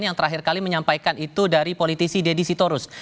yang terakhir kali menyampaikan itu dari politisi deddy sitorus